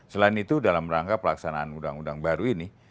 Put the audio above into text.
selain itu dalam rangka pelaksanaan undang undang baru ini